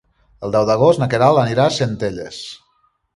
El deu d'agost na Queralt anirà a Centelles.